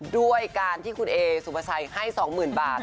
ด้วยการที่คุณเอสุภาชัยให้๒๐๐๐บาท